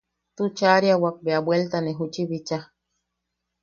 Tuchaariawak bea bueltane juchi bicha.